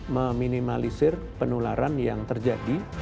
meminimalisir penularan yang terjadi